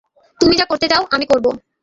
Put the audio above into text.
তুমি যা করতে চাও, আমি করবো।